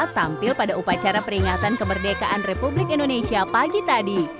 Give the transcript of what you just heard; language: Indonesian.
tampil pada upacara peringatan kemerdekaan republik indonesia pagi tadi